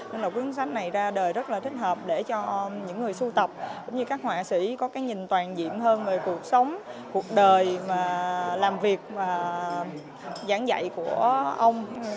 nên là cuốn sách này ra đời rất là thích hợp để cho những người sưu tập cũng như các họa sĩ có cái nhìn toàn diện hơn về cuộc sống cuộc đời mà làm việc và giảng dạy của ông